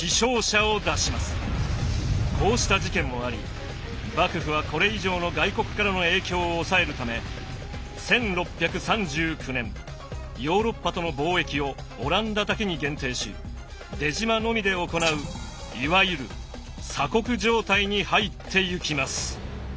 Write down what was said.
こうした事件もあり幕府はこれ以上の外国からの影響を抑えるため１６３９年ヨーロッパとの貿易をオランダだけに限定し出島のみで行ういわゆる鎖国状態に入ってゆきます。